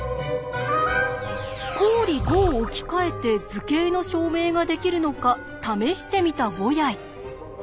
公理５を置き換えて図形の証明ができるのか試してみたボヤイ。